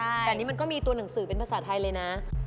แต่อันนี้มันก็มีตัวหนังสือเป็นภาษาไทยเลยนะ